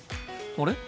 あれ？